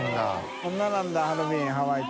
こんななんだハロウィーンハワイって。